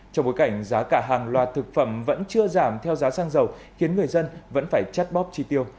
trong bối cảnh giá cả hàng loạt thực phẩm vẫn chưa giảm theo giá xăng dầu khiến người dân vẫn phải chắt bóp chi tiêu